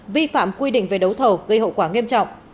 vi phạm quy định về đấu thầu gây hậu quả nghiêm trọng